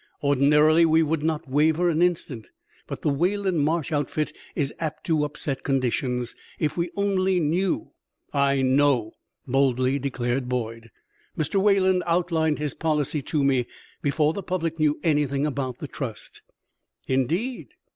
Ordinarily we would not waver an instant, but the Wayland Marsh outfit is apt to upset conditions. If we only knew " "I know!" boldly declared Boyd. "Mr. Wayland outlined his policy to me before the public knew anything about the trust." "Indeed?